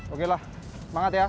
oke lah semangat ya